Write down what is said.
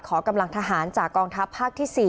กำลังทหารจากกองทัพภาคที่๔